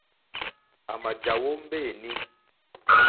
À mà jàwó mbéǃéní.